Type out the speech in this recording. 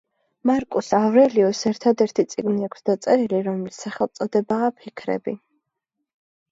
მარკუს ავრელიუსს ერთადერთი წიგნი აქვს დაწერილი რომლის სახელწოდებაა ,,ფიქრები"